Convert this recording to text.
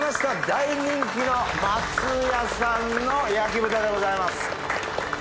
大人気の松屋さんの焼豚でございます。